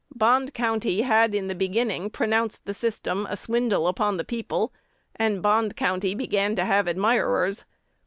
Bond County had in the beginning pronounced the system a swindle upon the people; and Bond County began to have admirers.